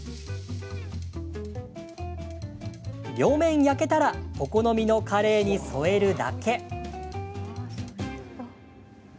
両面焼けたらお好みのカレーに添えるだけ。